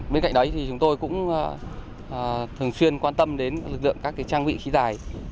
bên cạnh đấy thì chúng tôi cũng thường xuyên quan tâm đến lực lượng các trang vị khí tài